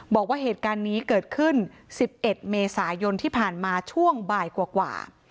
บอกว่าเหตุการณ์นี้เกิดขึ้น๑๑เมษายนที่ผ่านมาช่วงบ่ายกว่า